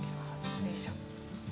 よいしょ。